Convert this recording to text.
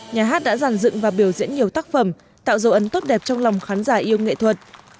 nhà hát đã giàn dựng và biểu diễn nhiều tác phẩm tạo dấu ấn tốt đẹp trong lòng khán giả yêu nghệ thuật